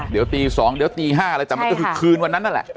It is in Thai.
เดี๋ยวตี๒เดี๋ยวตี๕อะไรแต่มันก็คือคืนวันนั้นนั่นแหละ